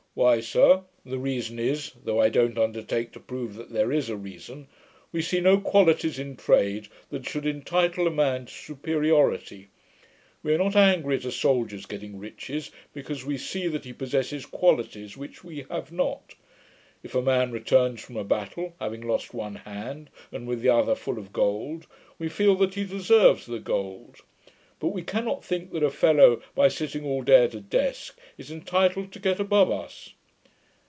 'Why, sir, the reason is (though I don't undertake to prove that there is a reason), we see no qualities in trade that should entitle a man to superiority. We are not angry at a soldier's getting riches, because we see that he possesses qualities which we have not. If a man returns from a battle, having lost one hand, and with the other full of gold, we feel that he deserves the gold; but we cannot think that a fellow, by sitting all day at a desk, is entitled to get above us.'